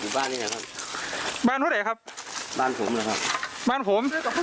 บ้านนี้นะครับบ้านพ่อใดครับบ้านผมนะครับบ้านผมเสื้อกับพ่อใด